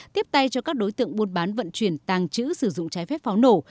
tiếp tay cho các đối tượng buôn bán vận chuyển tàng trữ sử dụng trái phép pháo nổ